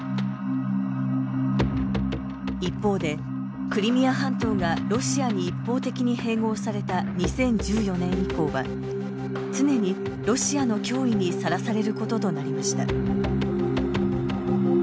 一方でクリミア半島がロシアに一方的に併合された２０１４年以降は常にロシアの脅威にさらされることとなりました。